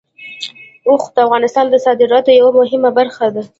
اوښ د افغانستان د صادراتو یوه مهمه برخه ده.